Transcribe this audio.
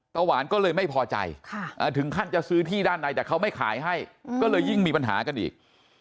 หวานก็เลยไม่พอใจถึงขั้นจะซื้อที่ด้านในแต่เขาไม่ขายให้ก็เลยยิ่งมีปัญหากันอีก